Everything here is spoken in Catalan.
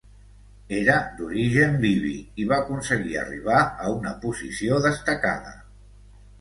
Era d'origen libi i va aconseguir arribar a una posició destacada.